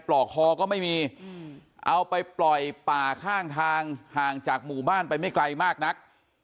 ปลอกคอก็ไม่มีเอาไปปล่อยป่าข้างทางห่างจากหมู่บ้านไปไม่ไกลมากนัก